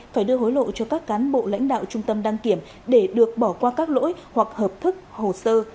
phải đưa hối lộ cho các cán bộ lãnh đạo trung tâm đăng kiểm để được bỏ qua các lỗi hoặc hợp thức hồ sơ